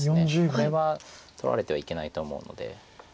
これは取られてはいけないと思うので。